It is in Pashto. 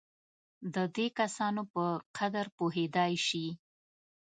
د دې کسانو په قدر پوهېدای شي.